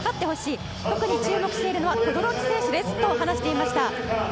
特に注目しているのが轟選手ですと話していました。